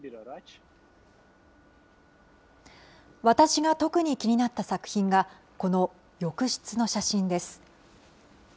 私が特に気になった作品が、この浴室の写真です。